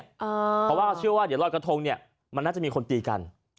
เพราะว่าเชื่อว่าเดี๋ยวรอยกระทงเนี่ยมันน่าจะมีคนตีกัน